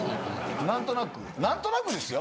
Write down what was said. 何となく何となくですよ。